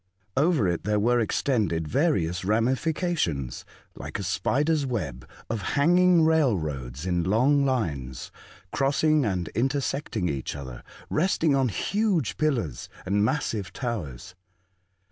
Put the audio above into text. Over it there were extended various ramifications, like a spider's web, of hanging railroads in long lines, crossing and intersecting each other, resting on huge pillars and massive towers.